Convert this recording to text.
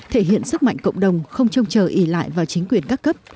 thể hiện sức mạnh cộng đồng không trông chờ ỉ lại vào chính quyền các cấp